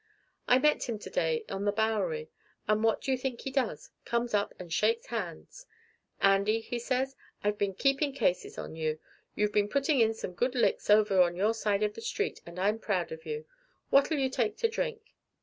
I met him to day on the Bowery, and what do you think he does? Comes up and shakes hands. 'Andy,' says he, 'I've been keeping cases on you. You've been putting in some good licks over on your side of the street, and I'm proud of you. What'll you take to drink?'